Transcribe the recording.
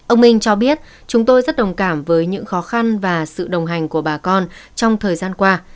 ông minh cho biết chúng tôi rất đồng cảm với những khó khăn và sự đồng hành của bà con trong thời gian qua